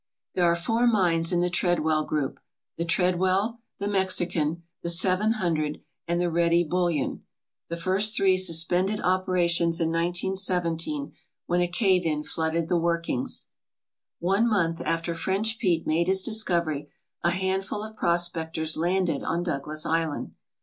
There are four mines in the Treadwell group the Treadwell, the Mexican, the Seven Hundred, and the Ready Bullion. The first three suspended operations in 1917 when a cave in flooded the workings. One month after French Pete made his discovery a handful of prospectors landed on Douglas Island.